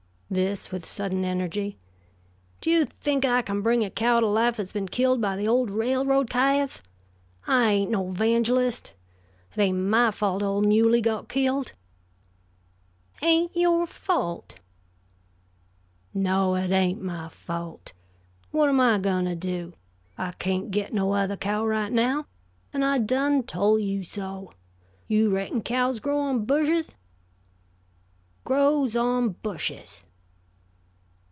this with sudden energy, "do you think I kin bring a cow to life that's been killed by the old railroad kyahs? I ain't no 'vangelist. It ain't my fault old Muley got killed." "Ain't yore fault!" "No, it ain't my fault. Whut am I going to do? I kaint get no otheh cow right now, and I done tol' you so. You reckon cows grows on bushes?" "Grows on bushes!"